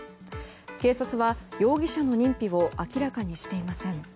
警察は、容疑者の認否を明らかにしていません。